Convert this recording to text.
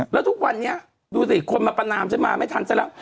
แล้วทุกวันนี้ดูสิคนมั๊ยปันอ่ามจะมาไม่ทันเสียนะ